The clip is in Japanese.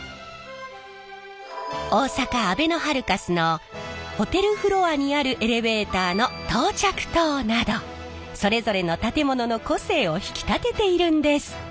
大阪あべのハルカスのホテルフロアにあるエレベーターの到着灯などそれぞれの建物の個性を引き立てているんです。